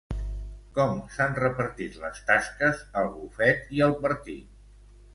Com s'han repartit les tasques el bufet i el partit?